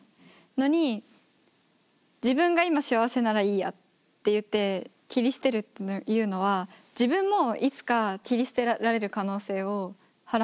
のに自分が今幸せならいいやって言って切り捨てるっていうのは自分もいつか切り捨てられる可能性をはらんでる。